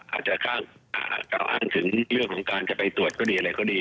อาจจะเก้าอ้างถึงเรื่องว่าจะไปตรวจอะไรก็ดี